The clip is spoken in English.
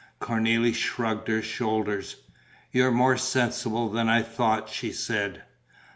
Cornélie shrugged her shoulders: "You're more sensible than I thought," she said.